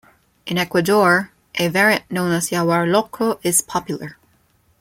In Ecuador, a variant known as yahuarlocro is popular.